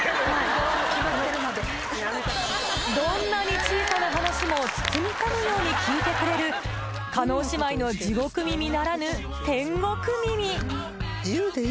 どんなに小さな話も包み込むように聞いてくれる叶姉妹の地獄耳ならぬ天国耳！